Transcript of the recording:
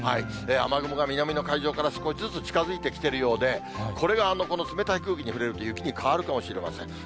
雨雲が南の海上から少しずつ近づいてきているようで、これがこの冷たい空気に触れると、雪に変わるかもしれません。